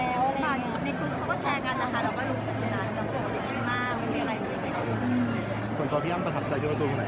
พื้นพูดเขาก็แชร์กันนะคะเราก็รู้จริงนาน